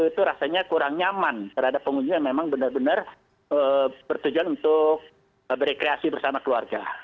itu rasanya kurang nyaman terhadap pengunjung yang memang benar benar bertujuan untuk berkreasi bersama keluarga